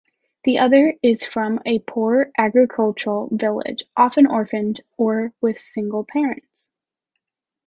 The other is from a poorer agricultural village, often orphaned or with single parents.